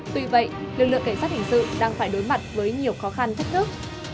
tuy vậy lực lượng cảnh sát hình sự đang phải đối mặt với nhiều khó khăn thách thức